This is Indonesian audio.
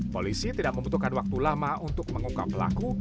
polisi tidak membutuhkan waktu lama untuk mengungkap pelaku